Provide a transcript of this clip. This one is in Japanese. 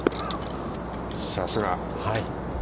さすが。